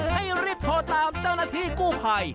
ให้รีบโทรตามเจ้าหน้าที่กู้ภัย